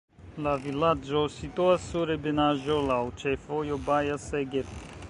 La vilaĝo situas sur ebenaĵo, laŭ ĉefvojo Baja-Szeged.